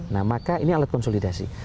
nah maka ini alat konsolidasi